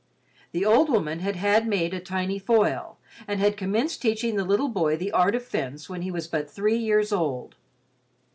The old woman had had made a tiny foil and had commenced teaching the little boy the art of fence when he was but three years old.